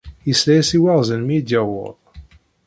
Yesla-as i Waɣzen mi i d-yuweḍ.